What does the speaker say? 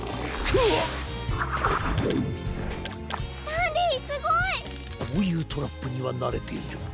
こういうトラップにはなれている。